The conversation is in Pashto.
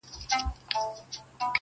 خلک خپل ژوند ته ځي تل